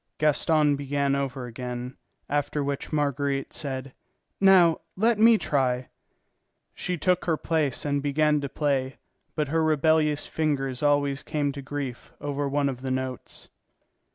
Gaston began over again, after which Marguerite said: "Now, let me try." She took her place and began to play; but her rebellious fingers always came to grief over one of the notes.